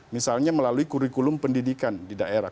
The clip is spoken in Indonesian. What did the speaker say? misalnya melalui kurikulum pendidikan di daerah